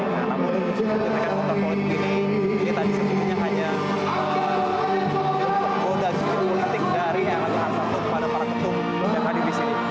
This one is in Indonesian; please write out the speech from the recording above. namun untuk teknik kontrak politik ini kita disuruh hanya menggoda sifat politik dari arlaga hartarto kepada para ketum yang hadir di sini